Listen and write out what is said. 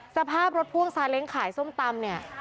สภาพรถพ่วงซาเล้งขายส้มตำเนี่ย